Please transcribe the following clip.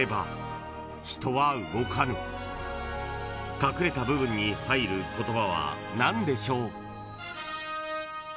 ［隠れた部分に入る言葉は何でしょう？］